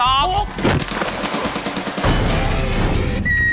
ให้ป่าตอบ